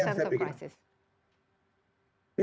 ya itu yang saya pikir